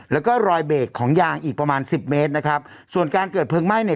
แล้วก็รอยเบรกของยางอีกประมาณสิบเมตรนะครับส่วนการเกิดเพลิงไหม้เนี่ย